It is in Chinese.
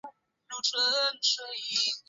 凤凰城水星篮球队。